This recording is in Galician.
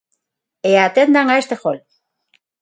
E atendan a este gol.